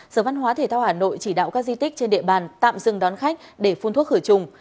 sở văn hóa thể thao hà nội chỉ đạo các di tích trên địa bàn tạm dừng đón khách để phun thuốc khử trùng